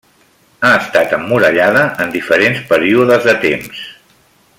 Ha estat emmurallada en diferents períodes de temps.